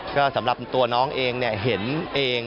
ก็สำหรับตัวน้องเองเห็นเอง